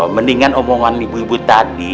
mendingan omongan ibu ibu tadi